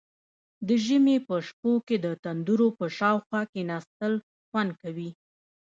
د ژمي په شپو کې د تندور په شاوخوا کیناستل خوند کوي.